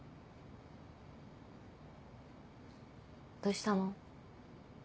どうしたの？